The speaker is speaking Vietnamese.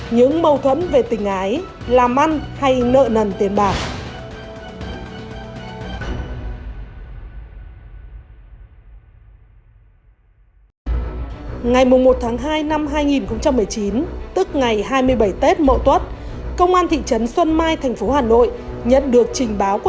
những mâu thuẫn về tình ái làm ăn hay nợ nần tiền bạc